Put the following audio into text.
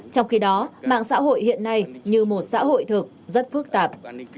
trong khi đó mạng xã hội hiện nay như một xã hội thực rất phức tạp